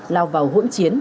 lao vào hỗn chiến